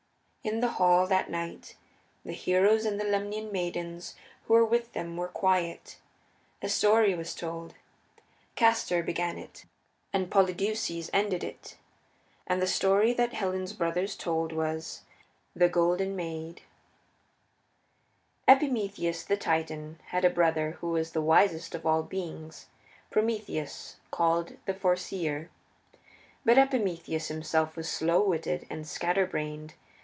In the hall that night the heroes and the Lemnian maidens who were with them were quiet. A story was told; Castor began it and Polydeuces ended it. And the story that Helen's brothers told was: The Golden Maid Epimetheus the Titan had a brother who was the wisest of all Beings Prometheus called the Foreseer. But Epimetheus himself was slow witted and scatter brained.